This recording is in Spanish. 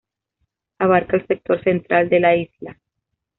Abarca el sector central de la isla.